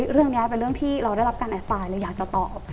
เรื่องนี้เป็นเรื่องที่เราได้รับการแอดไลน์เราอยากจะตอบ